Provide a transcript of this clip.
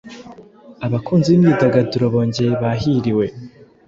abakunzi b imyidagaduro bongeye bahiriwe